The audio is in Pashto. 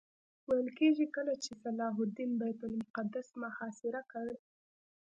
ویل کېږي کله چې صلاح الدین بیت المقدس محاصره کړ.